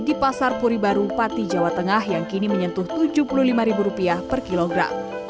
di pasar puri baru pati jawa tengah yang kini menyentuh rp tujuh puluh lima per kilogram